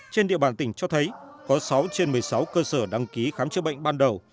trên địa bàn tỉnh cho thấy có sáu trên một mươi sáu cơ sở đăng ký khám chữa bệnh ban đầu